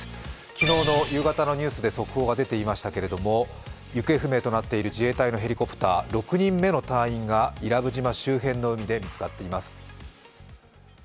昨日の夕方のニュースで速報が出ていましたけれども、行方不明となっている自衛隊のヘリコプター、６人目の隊員が伊良部島周辺の海で見つかっています。